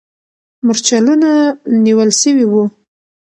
مرچلونه نیول سوي وو.